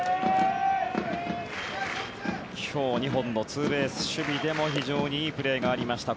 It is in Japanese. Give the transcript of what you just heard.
今日、２本のツーベース守備でも非常にいいプレーがありました